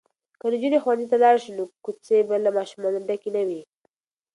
که نجونې ښوونځي ته لاړې شي نو کوڅې به له ماشومانو ډکې نه وي.